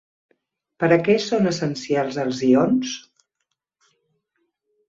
Per a què són essencials els ions?